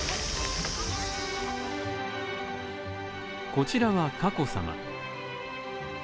こちらは佳子さま。